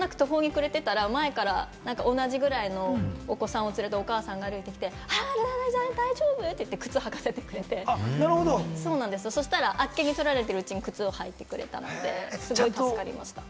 どうしようもなく途方に暮れていたら、前から同じぐらいのお子さんを連れたお母さんが歩いてきて、あら、大丈夫？って言って靴を履かせてくれて、そしたら呆気に取られてるうちに靴を履いてくれたので助かりました。